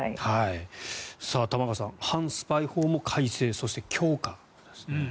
玉川さん反スパイ法も改正そして、強化ですね。